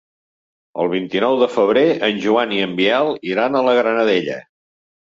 El vint-i-nou de febrer en Joan i en Biel iran a la Granadella.